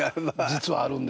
実はあるんです。